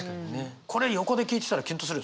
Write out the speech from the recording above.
これ横で聞いてたらキュンとする。